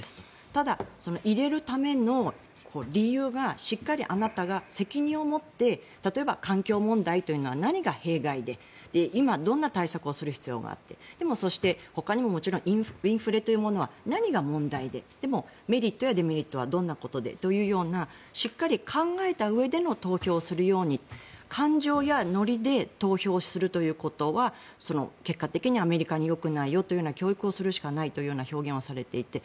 ただ、入れるための理由がしっかりあなたが責任を持って例えば環境問題というのは何が弊害で今どんな対策をする必要があってでもそして、ほかにももちろんインフレというのは何が問題ででもメリットやデメリットはどんなことでというようなしっかり考えたうえでの投票をするように感情やノリで投票するということは結果的にアメリカによくないよという教育をするしかないというような表現をされていて。